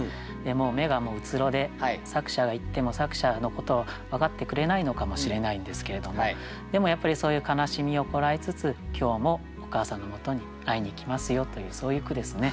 眼がもう虚で作者が行っても作者のことを分かってくれないのかもしれないんですけれどもでもやっぱりそういう悲しみをこらえつつ今日もお母さんのもとに会いに行きますよというそういう句ですね。